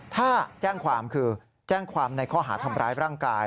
ถ้าแจ้งความคือแจ้งความในข้อหาทำร้ายร่างกาย